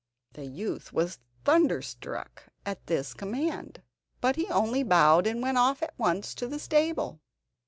The youth was thunderstruck at this command, but he only bowed, and went off at once to the stable.